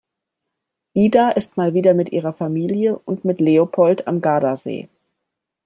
Ida ist mal wieder mit ihrer Familie und mit Leopold am Gardasee.